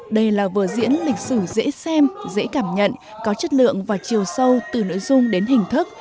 đây là vở diễn lịch sử dễ xem dễ cảm nhận có chất lượng và chiều sâu từ nội dung đến hình thức